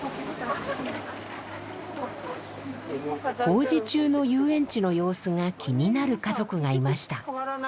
工事中の遊園地の様子が気になる家族がいました。